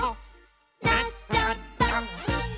「なっちゃった！」